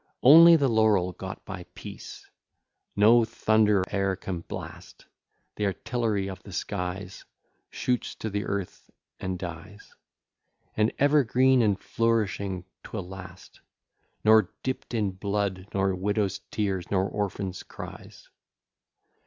VI Only the laurel got by peace No thunder e'er can blast: Th'artillery of the skies Shoots to the earth and dies: And ever green and flourishing 'twill last, Nor dipt in blood, nor widows' tears, nor orphans' cries.